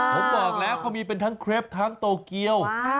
ผมบอกแล้วเขามีเป็นทั้งเครปทั้งโตเกียว